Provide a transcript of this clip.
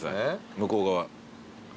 向こう側。